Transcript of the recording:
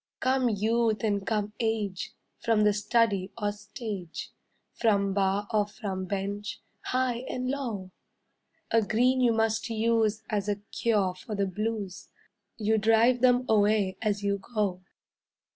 Come youth and come age, from the study or stage, From Bar or from Bench—high and low! A green you must use as a cure for the blues— You drive them away as you go.